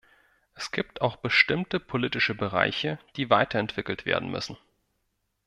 Es gibt auch bestimmte politische Bereiche, die weiterentwickelt werden müssen.